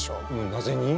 なぜに？